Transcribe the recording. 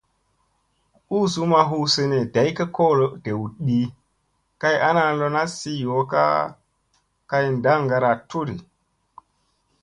Uuzu ma huu sene day ka kolo dew ɗi, kay ana lona sii yoo ka kay ndaŋgara tu di.